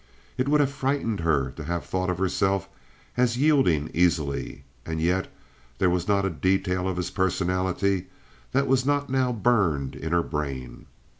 It would have frightened her to have thought of herself as yielding easily, and yet there was not a detail of his personality that was not now burned in her brain.